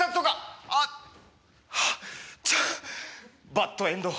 バッドエンド。